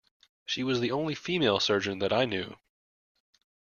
She was the only female surgeon that I knew.